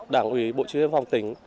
đảng ủy bộ chỉ huy biên phòng tỉnh